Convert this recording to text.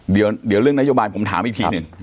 เดี๋ยวเรื่องนโยบายผมถามอีกทีหนึ่ง